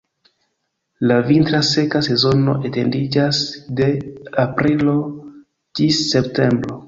La vintra seka sezono etendiĝas de aprilo ĝis septembro.